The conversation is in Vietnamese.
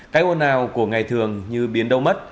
cái ôn nào của ngày thường như biến đâu mất